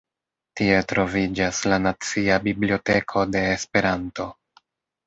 Tie troviĝas la Nacia Biblioteko de Esperanto.